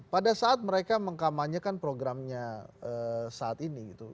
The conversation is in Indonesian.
pada saat mereka mengkamanyakan programnya saat ini gitu